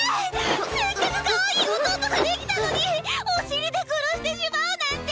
せっかくかわいい義弟ができたのにお尻で殺してしまうなんて！